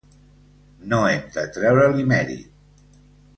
No hem de treure-li mèrit.